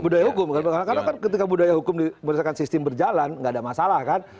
budaya hukum karena kan ketika budaya hukum berdasarkan sistem berjalan nggak ada masalah kan